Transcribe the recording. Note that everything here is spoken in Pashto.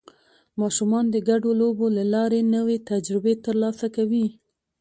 ماشومان د ګډو لوبو له لارې نوې تجربې ترلاسه کوي